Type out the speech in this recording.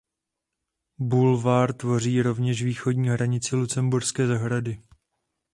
Bulvár tvoří rovněž východní hranici Lucemburské zahrady.